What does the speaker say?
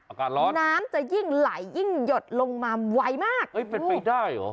อากาศร้อนน้ำจะยิ่งไหลยิ่งหยดลงมาไวมากเอ้ยเป็นไปได้เหรอ